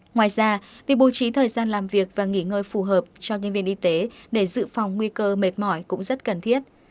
ngoài ra việc bố trí thời gian làm việc và nghỉ ngơi phù hợp cho nhân viên y tế để dự phòng nguy cơ mệt mỏi cũng rất cần thiết